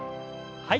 はい。